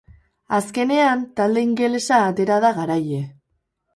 Azkenean, talde ingelesa atera da garaile.